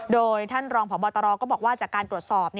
โดยท่านรองพบตรก็บอกว่าจากการตรวจสอบ